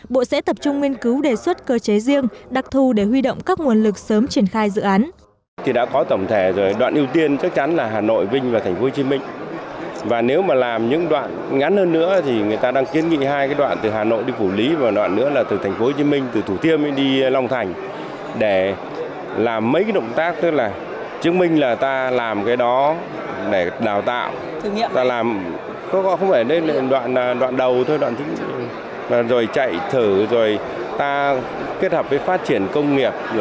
bộ sẽ tập trung nghiên cứu đề xuất cơ chế riêng đặc thu để huy động các nguồn lực sớm triển khai dự án